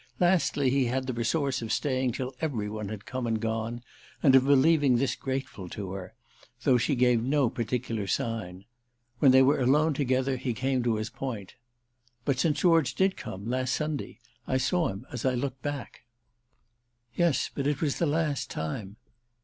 Lastly, he had the resource of staying till every one had come and gone and of believing this grateful to her, though she gave no particular sign. When they were alone together he came to his point. "But St. George did come—last Sunday. I saw him as I looked back." "Yes; but it was the last time."